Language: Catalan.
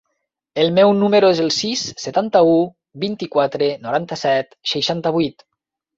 El meu número es el sis, setanta-u, vint-i-quatre, noranta-set, seixanta-vuit.